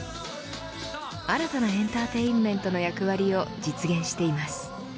新たなエンターテインメントな役割を実現しています。